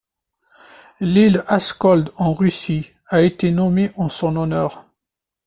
L'île Askold en Russie a été nommé en son honneur.